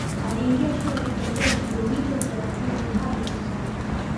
Aliingia shule akitembea kilomita thelathini hadi Musoma